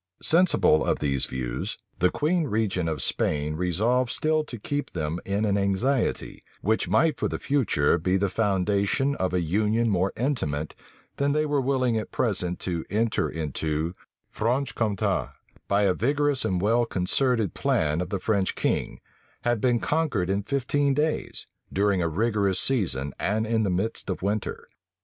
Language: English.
Sensible of these views, the queen regent of Spain resolved still to keep them in an anxiety, which might for the future be the foundation of a union more intimate than they were willing at present to enter into Franche Compte, by a vigorous and well concerted plan of the French king, had been conquered in fifteen days, during a rigorous season, and in the midst of winter.